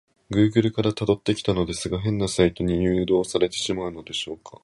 グーグルから辿ってきたのですが、変なサイトに誘導されてしまったのでしょうか？